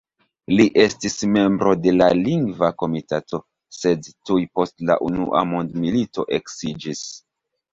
Li estis membro de la Lingva Komitato, sed tuj post la unua mondmilito eksiĝis.